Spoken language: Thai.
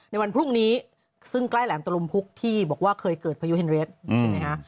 ในวันพรุ่งนี้ซึ่งใกล้แหลมตะลุมพุกที่บอกว่าเคยเกิดพายุเฮนเรสใช่ไหมคะ